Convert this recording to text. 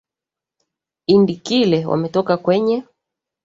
indi kile wametoka kwenye